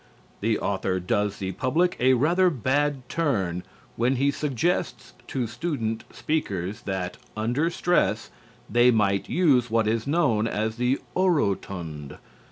The author does the public a rather bad turn when he suggests to student speakers that, under stress, they might use what is known as the "orotund."